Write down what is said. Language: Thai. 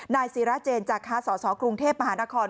นายศิราเจนจาคะสสกรุงเทพมหานคร